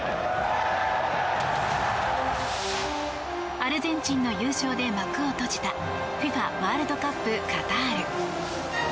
アルゼンチンの優勝で幕を閉じたＦＩＦＡワールドカップカタール。